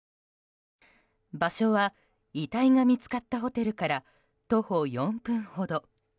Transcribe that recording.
場所は遺体が見つかったホテルから、徒歩４分ほど。